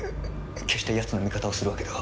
決してヤツの味方をするわけでは。